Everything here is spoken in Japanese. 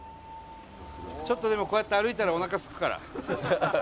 ちょっとこうやって歩いたらおなかすくから。